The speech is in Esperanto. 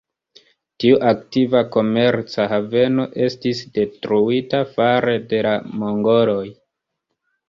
Tiu aktiva komerca haveno estis detruita fare de la mongoloj.